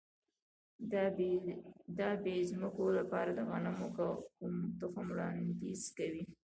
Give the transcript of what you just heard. د ابي ځمکو لپاره د غنمو کوم تخم وړاندیز کوئ؟